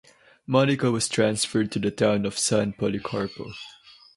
Monica was transferred to the town of San Policarpo.